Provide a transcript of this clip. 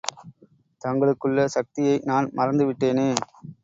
தங்களுக்குள்ள சக்தியை நான் மறந்து விட்டேனே.